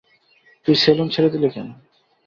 তুই সেলুন ছেড়ে দিলি কেন?